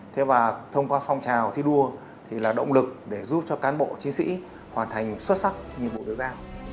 thế và thông qua phong trào thi đua là động lực để giúp cho cán bộ chiến sĩ hoàn thành xuất sắc nhiệm vụ đưa ra